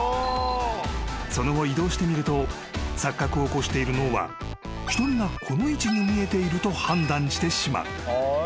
［その後移動してみると錯覚を起こしている脳は瞳がこの位置に見えていると判断してしまう］